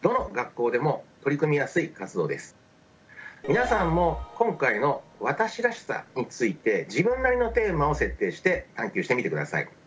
皆さんも今回の「私らしさ」について自分なりのテーマを設定して探究してみてください。